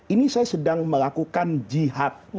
ini saya sedang melakukan jihad